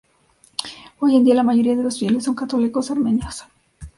Hoy en día la mayoría de los fieles son católicos armenios.